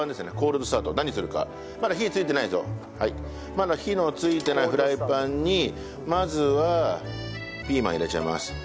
まだ火のついてないフライパンにまずはピーマン入れちゃいます。